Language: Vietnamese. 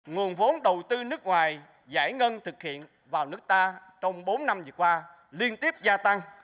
nguồn vốn đầu tư nước ngoài giải ngân thực hiện vào nước ta trong bốn năm vừa qua liên tiếp gia tăng